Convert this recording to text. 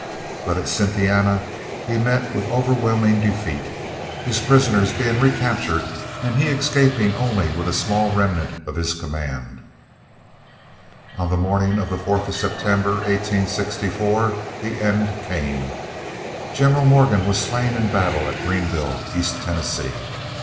But at Cynthiana he met with overwhelming defeat, his prisoners being recaptured, and he escaping with only a small remnant of his command. On the morning of the 4th of September, 1864, the end came. General Morgan was slain in battle at Greenville, East Tennessee.